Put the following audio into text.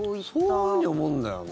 そういうふうに思うんだよな。